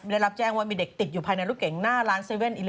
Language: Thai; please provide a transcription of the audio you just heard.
ได้รับแจ้งว่ามีเด็กติดอยู่ภายในรถเก่งหน้าร้าน๗๑๑